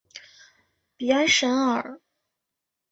比埃什河畔阿普尔人口变化图示